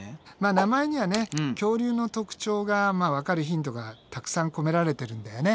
名前にはね恐竜の特徴がわかるヒントがたくさん込められてるんだよね。